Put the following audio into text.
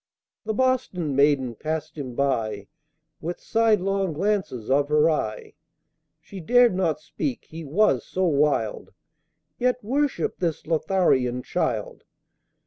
The Boston maiden passed him by With sidelong glances of her eye, She dared not speak (he was so wild), Yet worshipped this Lotharian child.